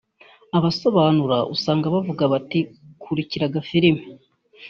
abasobanura usanga bavugaga bati “kurikira agafilime